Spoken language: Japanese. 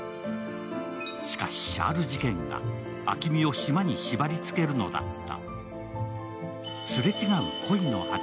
しかし、ある事件が暁海を島に縛りつけるのだった。